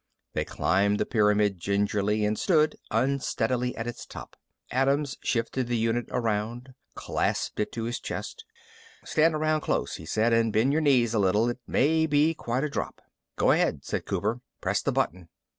They climbed the pyramid gingerly and stood unsteadily at its top. Adams shifted the unit around, clasped it to his chest. "Stand around close," he said, "and bend your knees a little. It may be quite a drop." "Go ahead," said Cooper. "Press the button."